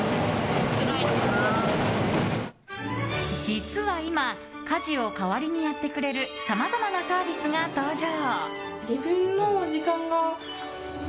実は今家事を代わりにやってくれるさまざまなサービスが登場。